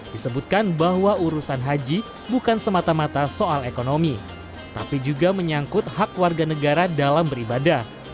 disebutkan bahwa urusan haji bukan semata mata soal ekonomi tapi juga menyangkut hak warga negara dalam beribadah